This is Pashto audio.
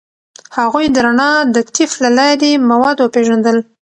هغوی د رڼا د طیف له لارې مواد وپیژندل.